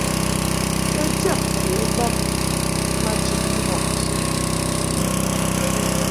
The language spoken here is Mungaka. Bo jab ke bab ma chɨŋni mɔʼ tɨ.